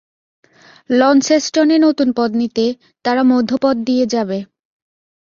লন্সেস্টনে নতুন পদ নিতে, তারা মধ্যপথ দিয়ে যাবে।